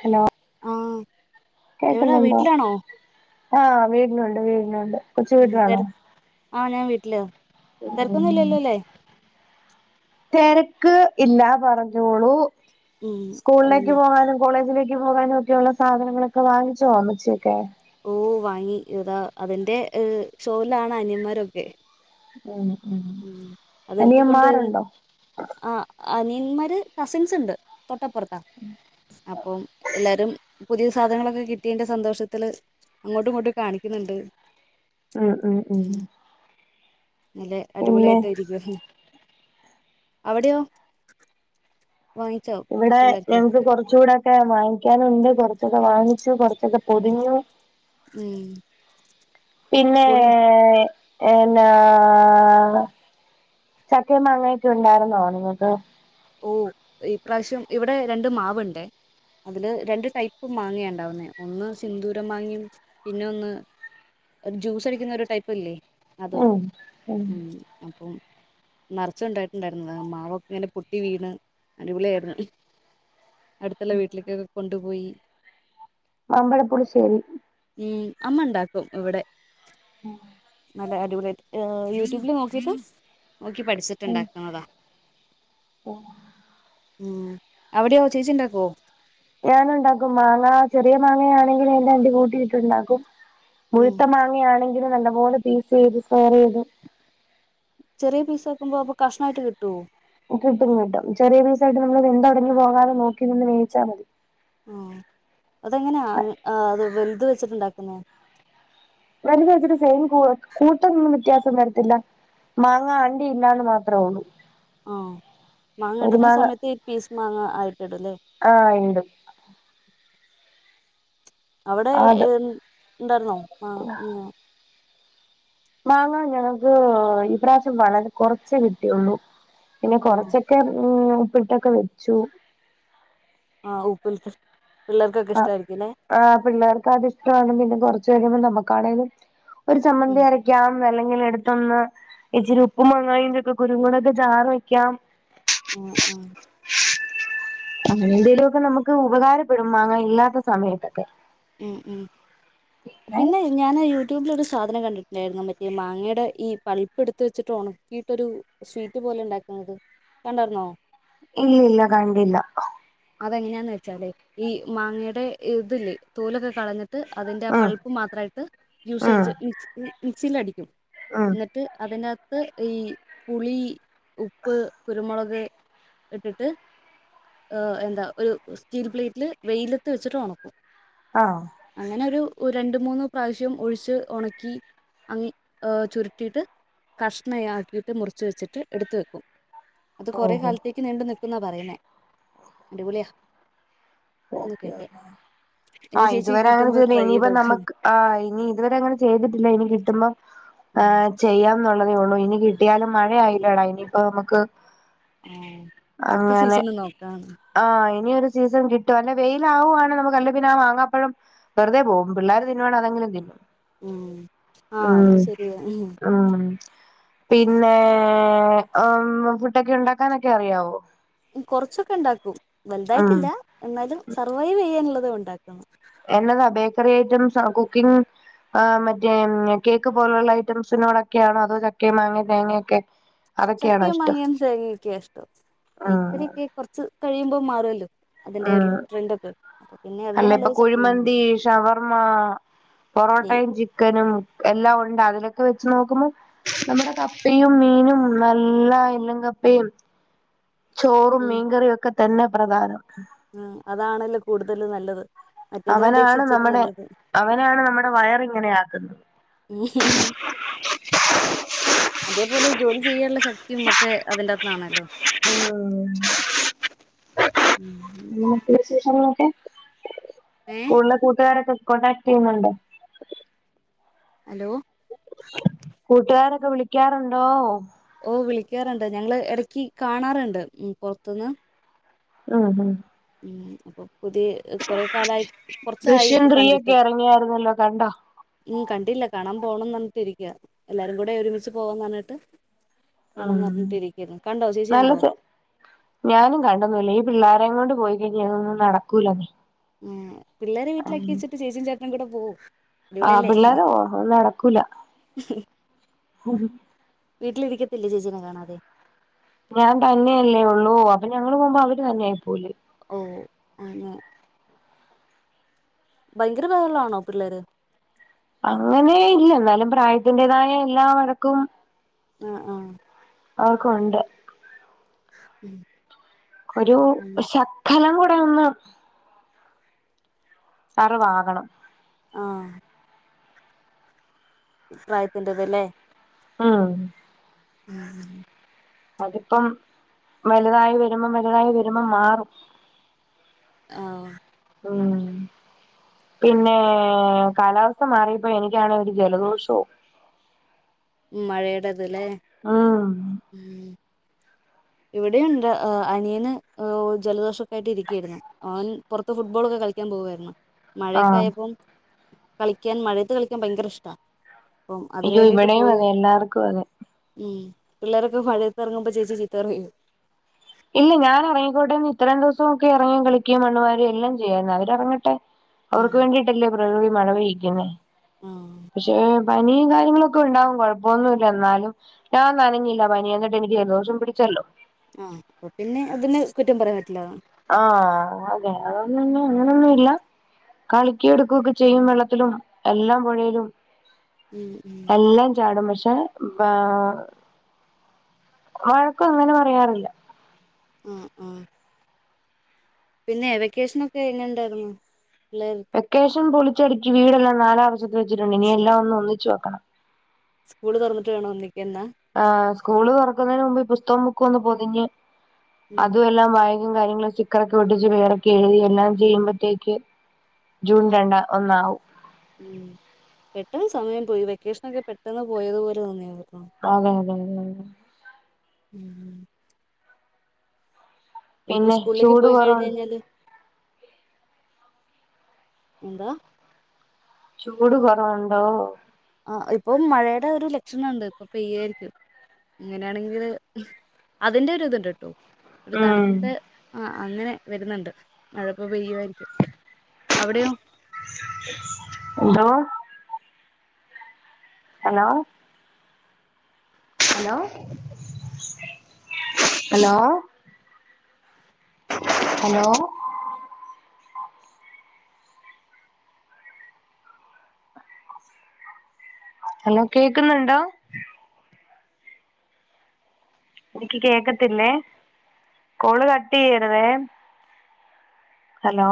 Hello ആഹ് എവിടാ കേക്കുന്നുണ്ടോ? വീട്ടിലാണോ ആഹ് വീട്ടിലുണ്ട് വീട്ടിലുണ്ട്. ഉം തെര് ആഹ് ഞാൻ വീട്ടിലാ, തെരക്കൊന്നും ഇല്ലല്ലോ അല്ലേ. തെരക്ക് ഇല്ല പറഞ്ഞോളൂ ഉം സ്കൂളിലേക്ക് ആന്ന് പോകാനും കോളേജിലേ ക്ക് പോകാനു ഒക്കെയൊള്ള സാധനങ്ങളൊക്കെ വാങ്ങിച്ചൊ അമ്മച്ചിയൊക്കെ. ഓഹ് വാങ്ങി ഇതാ അതിന്റെ ഏഹ് ഷോയിലാണ് അനിയന്മാരൊക്കെ. ഉം ഉം ഉം അതെടുത്ത്ക്കൊണ്ട് വര്ന്ന് അനിയന്മാരുണ്ടോ ആഹ് അനിയന്മാര് കസിൻസ്ണ്ട് തൊട്ടപ്പുറത്താ. ഉം അപ്പം എല്ലാരും പുതിയ സാധനങ്ങളൊക്കെ കിട്ടിയേന്റെ സന്തോഷത്തില് അങ്ങോട്ടും ഇങ്ങോട്ടും കാണിക്കുന്ന്ണ്ട്. ആഹ് ആഹ് നല്ല ആഹ്. അടിപൊളിയായിട്ട് ഇരിക്കുവാന്ന് ക അവിടയോ? വാങ്ങി ഇവിടെ ഞങ്ങക്ക് കൊറച്ചൂടെ ഒക്കെ വാങ്ങിക്ക്യാനുണ്ട് കൊറച്ചൊക്കെ വാങ്ങിച്ചു കൊറച്ചൊക്കെ പൊതിഞ്ഞു. ഉം പിന്നേ സ്കൂളില് എന്നാ ചക്കേം മാങ്ങയൊക്കെ ഉണ്ടായ്രുന്നൊ നിങ്ങക്ക് ഓഹ് ഇപ്രാവശ്യം ഇവിടെ രണ്ട് മാവ്ണ്ടേ. അതില് രണ്ട് ടൈപ്പ് മാങ്ങയാ ഇണ്ടാവുന്നേ. ഒന്ന് സിന്ദൂരം മാങ്ങിയും പിന്നൊന്ന് ഒരു ജ്യൂസ് അടിക്കുന്ന ഒരു ടൈപ്പ് ഇല്ലേ. അതുവാ. ഉം ഉം അപ്പം നെറച്ച് ഒണ്ടായിട്ടുണ്ടാരുന്നു മാവൊക്കെ ഇങ്ങനെ പൊ ട്ടി വീണ് അടിപൊളിയായിരുന്ന്. അടുത്തുള്ള വീട്ടിൽക്കൊക്കെ കൊണ്ടുപോയി. മാമ്പഴപ്പുളിശ്ശേരി ഉം അമ്മ ണ്ടാക്കും ഇവിടെ. ആഹ് നല്ല അടിപൊളിറ്റ് അഹ്‌ യൂട്യൂബിൽ നോക്കീറ്റ് നോക്കി ഉം പഠിച്ചിട്ടുണ്ടാക്കാന്നതാ ഉം അവിടെയോ ചേച്ചി ഇണ്ടാക്കുവോ ഞാനൊണ്ടാക്കും മാങ്ങ ചെറിയ മാങ്ങയാണെങ്കിൽ അയിന്റണ്ടി കൂട്ടിയിട്ടുണ്ടാക്കും ഉം മുഴുത്ത മാങ്ങ യാണെങ്കില് നല്ലപോലെ പീസ്സെയ്തു സ്ക്വൊയറെയ്തു ചെറിയ പീസാക്കുമ്പൊ അപ്പൊ കഷ്ണായിട്ട് കിട്ടുവൊ കിട്ടും കിട്ടും ചെറിയ പീസ്സായിട്ട് നമ്മൾ വെന്തൊടഞ്ഞ് പോകാതെ നോക്കി നിന്ന് വേയിച്ച മതി ആഹ് അതെങ്ങന അത് വെലുത് വെച്ചിട്ടുണ്ടാക്കുന്നെ വെൽത് വെച്ചിട്ട് സെയിം കൂട്ട് കൂട്ടിനൊന്നും വ്യത്യാസം വരത്തില്ല മാങ്ങ അണ്ടി ഇല്ലാന്ന് മാത്രെ ഒള്ളു ആഹ് മാങ്ങ ഇടുന്ന സമയത്ത് ഇ പീസ് മാങ്ങ ആയിട്ടിടുംല്ലെ ആഹ ഇണ്ട്. അവിടെ അത് ഹേ ഇണ്ടായിരുന്നോ മാങ്ങാ മാങ്ങാ ഞങ്ങക്ക് ഇപ്രാവശ്യം വളരെ കുറച്ചേ കിട്ടിയുള്ളൂ. പിന്നെ ആ കൊറച്ചൊക്കെ ഉം ഉപ്പിട്ടൊക്കെ വെച്ചു. ആഹ ഉപ്പിലിട്ടത്, പിള്ളേർക്കൊക്കെ ആ ഇഷ്ടമായിരിക്കും ല്ലേ. ആ പിള്ളേർക്ക് അത് ഇഷ്ടമാണ്. പിന്നെ കുറച്ചു വരുമ്പോൾ നമുക്കാണെങ്കിലും ഒരു ചമ്മന്തി ഉം അരക്കു വക്കാം. അല്ലെങ്കിൽ എടുത്തൊന്ന് ഇച്ചിരി ഉപ്പും മങ്ങായു ഒക്കെ ചക്കകുരുങ്ങുടെ ഒക്കെ ചാറ് വയ്ക്കാം. ഉം അഹ്‌ അങ്ങനെ എന്തേലുമൊക്കെ നമുക്ക് ഉപകാരപ്പെടും മാങ്ങ ഇല്ലാത്ത സമയത്തൊക്കെ ഉം ഉം ഏ പിന്നെ ഞൻ യു ട്യൂബിലെ ഒരു സാധനം കണ്ടിട്ടുണ്ടായിരുന്നു. മറ്റേ മാങ്ങയുടെ ഈ പളിപ്പ് എടുത്ത് വച്ചിട്ട് ഉണക്കിയിട്ടൊരു സ്വീറ്റ് പോലെ ഇണ്ടാക്കുന്നത്. കണ്ടരുന്നോ?. ഇല്ല ഇല്ല കണ്ടില്ല. അതെങ്ങനെയാന്ന് വെച്ചാലെ, ഈ മാങ്ങയുടെ ഇതില്ലെ തോലൊക്കെ കളഞ്ഞിട്ട് ട്ട് അതിന്റെ ഉം പൾപ്പ് മാത്രമായിട്ട് ജൂസ് ഉം എടുത്ത് മിക്സി മിക്സിയിൽ അടിക്കും. ഉം എന്നി ട്ട് അതിനകത്ത് ഈ പുളി, ഉപ്പ്, കുരുമുളക്, ഇട്ടിട്ട്. എന്താ ഒരു സ്റ്റീൽ പ്ലേറ്റില് വെയിലത്ത് വെച്ചിട്ട് ഉണക്കും. ആണെ അങ്ങനെ ഒരു രണ്ട്, മൂന്ന് പ്രാവശ്യം ഒഴിച്ച് ഉണക്കി അങ്ങി ഹേ ചുരുട്ടിയിട്ട് കഷ്ണം ആക്കിയിട്ട് മുറച്ച് വെച്ചിട്ട് എടുത്ത് വെക്കും. അത് കൊറെ ഓഹോ കാലത്തേക്ക് നീണ്ടു നിൽക്കുന്നാ പറയുന്നേ, അടിപൊളിയാ. ഓക്കെ നിക്കട്ടെ ഓക്കെ ആ ഇതുവരെ അങ്ങനെ ചെയ്ല്ല. ചെയ്ത് ഇനിയിപ്പം നോക്ക് നമുക്ക് ആഹ് ഇനി ഇതുവരെ അങ്ങനെ ചെയ്തിട്ടില്ല. ഇനി കിട്ടുമ്പോ ആ ചെയ്യാം എന്നുള്ളതേ ഉള്ളൂ ഇനി കിട്ടിയാലും മഴ ആയില്ലേടാ ഇനിയിപ്പോ നമുക്ക് അടുത്ത അങ്ങനെ സീസണിൽ നോക്കാം ആഹ ഇനിയൊരു സീസൺ കിട്ട ട്ടും അല്ലെ വെയില ആകുവാണ് നമ്മുക്ക്ല്ല പിന്നെ മാങ്ങപ്പഴം വെറുതെ പോകും. പിള്ളാര് തിന്നുവാണങ്കിൽ അതെങ്കിലും തിന്നും ഉം ആഹ് ഉം അതും ശരിയാ ഉം പിന്നെ ആം ഫുഡൊക്കെ ഉണ്ടാക്കാനൊക്കെ അറിയാവോ?. കൊറച്ചൊക്കെ ഇണ്ടാക്കും ഉം വലുതായിട്ടില്ല. എന്നാലും സർവൈവ് ചെയ്യാനുള്ളത് ഉണ്ടാക്കുന്നു. എന്നതാ ബേക്കറി ഐറ്റംസ് ആ കുക്കിംഗ് ആ മറ്റേ കേക്ക് പോലുള്ള ഐറ്റംസിനോടൊക്കെയാണോ? അതോ ചക്ക, മാങ്ങ, തേങ്ങൊക്കെ ചക്കയും, മാങ്ങിയും തേങ്ങ ക്കെ ഇഷ്ടം. ഉം ഇക്കരി കിട്ടായ കുറച്ച് കഴിയുമ്പോ മാറുമല്ലോ?. അതിന്റെ ഒരു ട്രെൻഡ് ഒക്ക് അല്ലേ ഇപ്പൊ കുഴിമന്തി, ഷവർമ്മ, പൊറോട്ടയും ചി ചിക്കനും എല്ലാം ഉണ്ട്. അതിലൊക്കെ വെച്ച് നോക്കുമ്മം നമ്മുടെ കപ്പയും, മീനും, നല്ല എല്ലു കപ്പയും. ചോറും ഉം മീൻകറിയും ഒക്കെ തന്നെ പ്രധാനം. ഉം അതാണല്ലോ കൂടുതൽ നല്ലത്, മറ്റേതിനെ അവനാണ് അപേക്ഷിച്ചിട്ട് നമ്മുടെ നല്ലത്. അവനാണ് നമ്മുടെ വയർ ഇങ്ങനെ ആക്കുന്നത്. ഹി ഹി ഹി അതേപോലെ ജോലി ചെയ്യാനുള്ള ശക്തിയും ഒക്കെ അതിൻ്റ അകത് ന്നാണല്ലോ. [unintelligible] നാട്ടു വിശേഷങ്ങളൊക്കെ, ഏ സ്‌കൂളിലെ കൂട്ടുകാരൊക്കെ കോടാക്ട് ചെയ്യുന്നുണ്ടോ?. ഹലോ കൂട്ടുകാരൊക്കെ വിളിക്കാറുണ്ടോ?. ഓഹ് വിളിക്കാറുണ്ട്. ഞങ്ങള് ഇടക്ക് കാണാറുണ്ട് ഉം പുറത്തുന്ന്. ഉം ഉം ഉം അപ്പൊ പുതിയ കൊറേ കാലായി ദൃശ്യം കൊറച്ചായിപ്പൊ ത്രീ കണ്ടിട്ട് ഒക്കെ ഇറങ്ങിയായിരുന്നല്ലോ കണ്ടോ ഉം കണ്ടില്ല കാണാൻ പോണന്നർ ഞ്ഞിട്ടിരിക്ക എല്ലാരും കൂടെ ഒരുമിച്ച് പോവാന്നർഞ്ഞിട്ട് ഉം കാണാന്നർഞ്ഞിട്ടിരിക്കായിര്ന്നു കണ്ടോ ചേച്ചി നല്ല കണ്ടോ ഞാനും കണ്ടന്നൂല്ല ഈ പിള്ളാരേങ്കൊണ്ട് പോയി കഴിഞ്ഞാ ഇതൊന്നും നടക്കൂലന്നേ ആഹ് പിള്ളേരെ വീട്ടിലാക്കി വച്ചിട്ട് ചേച്ചിം ചേട്ടനും കൂടെ പോവും ആഹ് അടിപൊളിയല്ലേ പിള്ളാരോ അത് നടക്കൂല വീട്ടിലിരിക്കത്തില്ലേ ചേച്ചിനെ കാണാതെ ഞാൻ തന്നെയല്ലേ ഉള്ളൂ അപ്പൊ ഞങ്ങള് പോവുമ്പോ അവര് തന്നെ ആയി പോവില്ലേ ഓഹ് അങ്ങനെ ഭയങ്കര വൈറലാണോ പിള്ളേര് അങ്ങനേ ഇല്ല ന്നാലും പ്രായത്തിന്റേതായ എല്ലാ വഴക്കും ആഹ് ആഹ് അവർക്കൊണ്ട് ഉം ഒരു അങ്ങനെ ശക്കനം കൂടെ ഒന്ന് വറവാകണം ആഹ് പ്രായത്തിന്റതല്ലേ ഉം അതിപ്പം വലുതായി വരുമ്പം വലുതായി വരുമ്പം മാറും ആഹ് ഉം പിന്നേ കാലാവസ്ഥ മാറിയപ്പോ എനിക്കണേ ഒരു ജലദോഷവും മഴയുടെതലേ ഉം ഉം ഇവിടെയുണ്ട് അനിയന് ജലദോഷൊക്കായിട്ട് ഇരിക്കായിരുന്നു ഓൻ പൊർത്ത് ഫുട്ബോളൊക്കെ കളിക്കാൻ പോവായിര്ന്ന് മഴയൊക്കെ ആഹ് ആയപ്പോം കളിക്കാൻ മഴയത്ത് കളിക്കാൻ ഭയങ്കര ഇഷ്ടാ അപ്പം അതിന് അയ്യോ വേണ്ടിട്ട് ഇവിടേം പോയി അതെ എല്ലാർക്കും അതെ ഉം പിള്ളേരൊക്കെ മഴയത്ത് ഇറങ്ങുമ്പോ ചേച്ചി ചീത്ത പറയൊ ഇല്ല ഞാനെറങ്ങിക്കോട്ടെന്ന് ഇത്രയും ദിവസൊക്കെറങ്ങിയും കളിക്കുയും മണ്ണുവരേം എല്ലാം ചെയ്യായിര്ന്നു അവരെറങ്ങട്ടെ ഉം അവർക്ക് വേണ്ടിട്ടല്ലേ പ്രകൃതി മഴ പെയ്യിക്കുന്നേ ആഹ് പക്ഷേ പനീം കാര്യങ്ങളൊക്കെണ്ടാവും കുഴപ്പൊന്നുല്ല ന്നാലും ഞാൻ നനഞ്ഞില്ല പനി എന്നിട്ടെനിക്ക് ജലദോഷം പിടിച്ചല്ലോ ആഹ് അപ്പ പിന്നെ ഇതിനെ കുറ്റമ്പറയാൻ പറ്റില്ല ആഹ് അതെ അതൊന്നുംന്നെ അങ്ങനൊന്നും ഇല്ല കളിക്കേം എടുക്കൊക്കെ ചെയ്യും വെള്ളത്തിലും എല്ലാം പുഴയിലും ഉം ഉം എല്ലാം ചാടും പക്ഷെ ഇപ്പൊ വഴക്കു അങ്ങനെ പറയാറില്ല ആഹ് ആഹ് പിന്നെ വെക്കേഷനൊക്കെ എങ്ങനെണ്ടാര്ന്നു പിള്ളേർക്ക് വെക്കേഷൻ പൊളിച്ചട്ക്കി വീടെല്ലാം നാലാ വശത്ത് വെച്ചിട്ടുണ്ട് ഇനി എല്ലാ ഒന്ന് ഒന്നിച്ച് വെക്കണം സ്കൂള് തൊറന്നിട്ട് വേണോ ഒന്നിക്കാൻ ന്നാ ആഹ് സ്കൂള് തൊറക്കുന്നേന് മുമ്പ് പുസ്തകോം ബുക്കൊന്ന് പൊതിഞ്ഞ് ഉം അത് എല്ലാം ബായ്ഗും കാര്യങ്ങളും സ്റ്റിക്കറൊക്കെയൊട്ടിച്ച് പേരൊക്കെയെഴുതി എല്ലാം ചെയുമ്പത്തേക്ക് ജൂൺ രണ്ട ഒന്നാവും ഉം പെട്ടെന്ന് സമയമ്പോയി വെക്കേഷനൊക്കെ പെട്ടെന്ന് പോയതു പോലെ തോന്നുന്നുണ്ട് അതെയതെ അതെ അതെ ഉം ഇനിപ്പോ പിന്നെ സ്കൂളിലേക്ക് ചൂട് പോയി കഴിഞ്ഞ് കുറവു കഴിഞ്ഞാല് എന്താ? ചൂട് കുറവുണ്ടോ? ആ ഇപ്പം മഴയുടെ ഒരു ലക്ഷണമുണ്ട്. ഇപ്പൊ പെയ്യായിരിക്കും. ഇങ്ങനെയാണെങ്കില് അതിന്റെ ഒരു ഇതുണ്ട് കേട്ടോ ഒരു ഉം തണുത്ത ആ അങ്ങനെ വരുന്നുണ്ട് മഴയിപ്പം പെയ്യുമായിരിക്കും. അവിടെയോ? എന്തോ hello hello hello hello hello കേക്കുന്നുണ്ടോ? എനിക്ക് കേക്കത്തില്ലേ. കോള് കട്ട് ചെയ്യരുതേ. ഹലോ